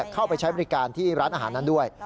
เข้าไปใช้บริการที่ร้านอาหารนั้นด้วย